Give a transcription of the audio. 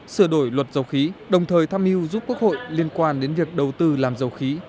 sửa đổi luật dầu khí đồng thời tham hiu giúp quốc hội liên quan đến việc đầu tư làm dầu khí